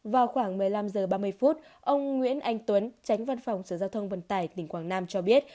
vào khoảng một mươi năm h ba mươi phút ông nguyễn anh tuấn tránh văn phòng sở giao thông vận tải tỉnh quảng nam cho biết